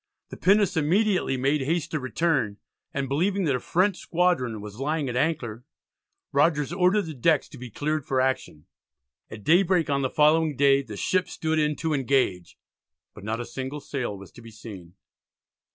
The pinnace immediately made haste to return, and believing that a French squadron was lying at anchor, Rogers ordered the decks to be cleared for action. At daybreak on the following day the ships stood in to engage, but not a single sail was to be seen.